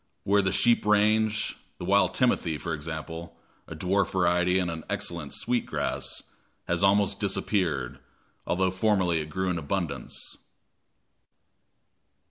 Where the sheep range, the wild timothy, for example a dwarf variety and an excellent, sweet grass has almost disappeared, although formerly it grew in abundance.